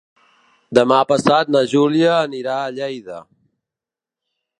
Demà passat na Júlia anirà a Lleida.